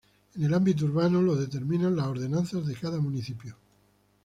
En el ámbito urbano lo determinan las ordenanzas de cada municipio.